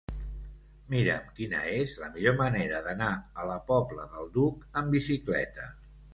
Mira'm quina és la millor manera d'anar a la Pobla del Duc amb bicicleta.